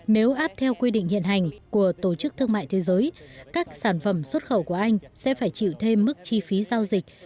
nếu áp theo quy định hiện hành của tổ chức thương mại thế giới các sản phẩm xuất khẩu của anh sẽ phải chịu thêm mức chi phí giao dịch